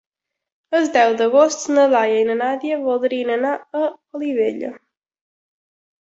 El deu d'agost na Laia i na Nàdia voldrien anar a Olivella.